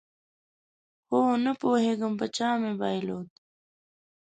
خو نپوهېږم په چا مې بایلود